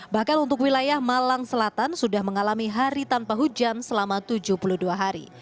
bahkan untuk wilayah malang selatan sudah mengalami hari tanpa hujan selama tujuh puluh dua hari